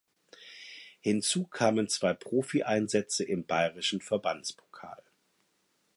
Hinzu kamen zwei Profieinsätze im bayerischen Verbandspokal.